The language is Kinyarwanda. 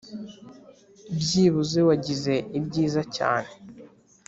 'byibuze wagize ibyiza cyane